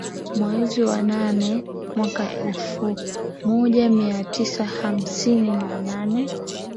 Mwaezi wa nane mwaka wa elfu moja mia tisa hamsini na nane